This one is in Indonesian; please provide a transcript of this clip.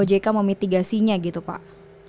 ojk memitigasinya gitu pak